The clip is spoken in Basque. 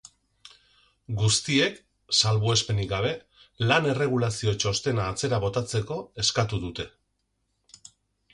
Guztiek, salbuespenik gabe, lan-erregulazio txostena atzera botatzeko eskatu dute.